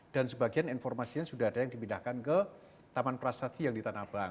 dan sebagian informasinya sudah ada yang dipindahkan ke taman prasasti yang di tanah abang